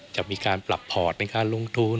จะมีการปรับพอร์ตเป็นการลงทุน